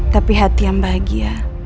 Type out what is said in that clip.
tapi hati yang bahagia